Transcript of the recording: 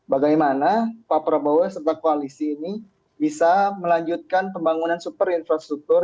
bagaimana pak prabowo serta koalisi ini bisa melanjutkan pembangunan superinfrastruktur